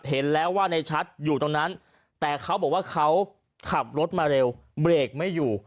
เห็นแล้วว่าในชัดอยู่ตรงนั้นแต่เขาบอกว่าเขาขับรถมาเร็วเบรกไม่อยู่